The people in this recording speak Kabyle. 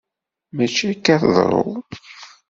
Mačči akka ara teḍru!